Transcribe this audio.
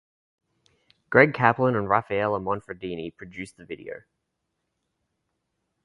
Greg Kaplan and Rafaelia Monfradini produced the video.